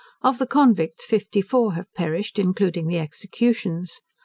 Of the convicts fifty four have perished, including the executions.